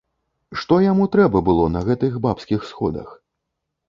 Што яму трэба было на гэтых бабскіх сходах?